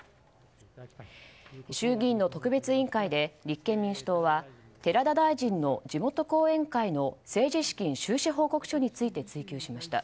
衆議院の特別委員会で立憲民主党は寺田大臣の地元後援会の政治資金収支報告書について追及しました。